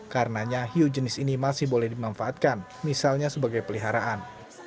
karenanya hiu jenis ini masih boleh dimanfaatkan misalnya sebagai peliharaan